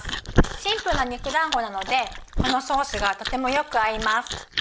シンプルな肉だんごなのでこのソースがとてもよく合います。